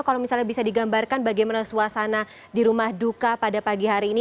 kalau misalnya bisa digambarkan bagaimana suasana di rumah duka pada pagi hari ini